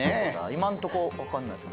今んとこわかんないです。